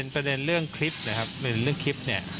ประเด็นเรื่องคลิปนะครับเป็นเรื่องคลิปเนี่ย